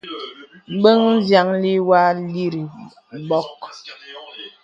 Bəŋ vyàŋli wɔ àlirì bɔ̀k.